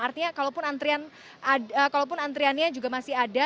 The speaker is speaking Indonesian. artinya kalaupun antriannya juga masih ada